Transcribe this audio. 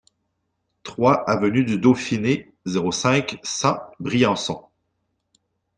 trois avenue du Dauphiné, zéro cinq, cent, Briançon